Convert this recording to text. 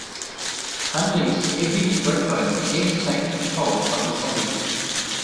Hundley's heavy workload began to take its toll on his body.